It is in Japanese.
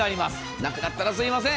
なくなったらすみません。